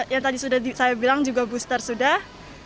yang tadi sudah saya bilang juga booster sudah